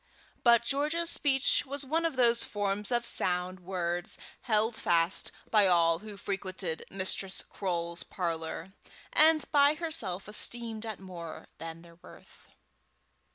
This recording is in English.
But George's speech was one of those forms of sound words held fast by all who frequented Mistress Croale's parlour, and by herself estimated at more than their worth.